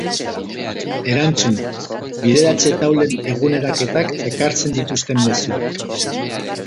Erantzuna: Bideratze taulen eguneraketak ekartzen dituzten mezuak.